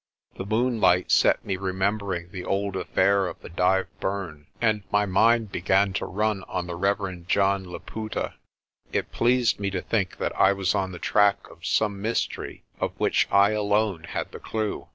The moonlight set me remembering the old affair of the Dyve Burn, and my mind began to run on the Rev. John Laputa. It pleased me to think that I was on the track of some mystery of which I alone had the clue.